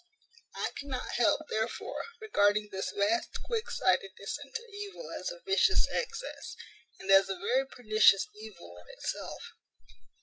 I cannot help, therefore, regarding this vast quick sightedness into evil as a vicious excess, and as a very pernicious evil in itself.